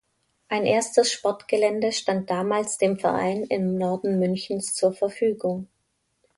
Ein erstes Sportgelände stand damals dem Verein im Norden Münchens zur Verfügung.